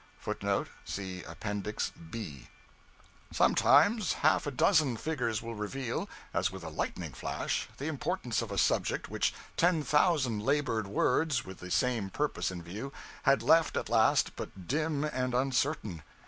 {footnote [See Appendix B.]} Sometimes, half a dozen figures will reveal, as with a lightning flash, the importance of a subject which ten thousand labored words, with the same purpose in view, had left at last but dim and uncertain.